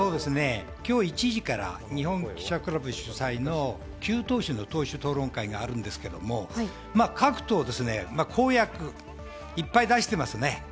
今日１時から日本記者クラブ主催の９党首の討論会があるんですが各党、公約いっぱい出してますね。